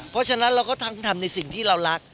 เพราะฉะนั้นเราก็ทั้งทำในสิ่งที่เรารัก